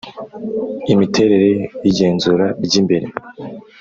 imiterere y’ igenzura ry’ imbere